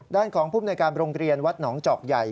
ด้านของภูมิในการโรงเรียนวัดหนองจอกใหญ่